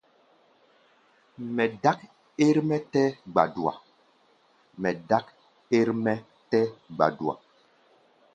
Mɛ dák ɛ́r-mɛ́ tɛ́ gbadua.